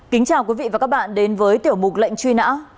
kính chào quý vị và các bạn đến với tiểu mục lệnh truy nã